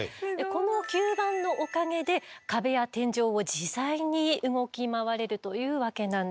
この吸盤のおかげで壁や天井を自在に動き回れるというわけなんです。